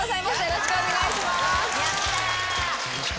よろしくお願いします。